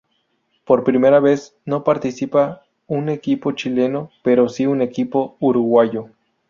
Por primera vez, no participa un equipo chileno, pero si un equipo uruguayo.